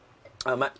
甘い？